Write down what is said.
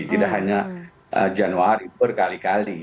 tidak hanya januari berkali kali